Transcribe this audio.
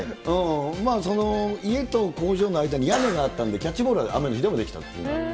まあその、家と工場の間に屋根があったんで、キャッチボールは雨の日でもできたっていう。